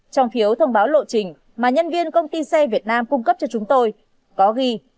trong phiếu thông báo lộ trình mà nhân viên công ty xe việt nam cung cấp cho chúng tôi có ghi